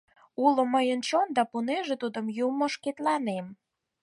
Уло мыйын чон, да пуэнже тудым юмо шкетланем.